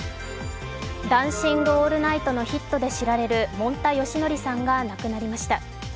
「ダンシング・オールナイト」のヒットで知られるもんたよしのりさんが亡くなりました。